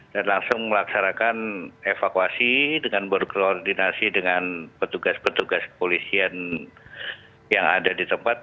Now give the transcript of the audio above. dan langsung melaksanakan evakuasi dengan berkoordinasi dengan petugas petugas polisian yang ada di tempat